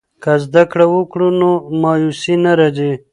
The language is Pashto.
که ذکر وکړو نو مایوسي نه راځي.